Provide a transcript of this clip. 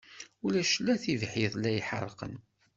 Ulac la tibḥirt la iḥerqan.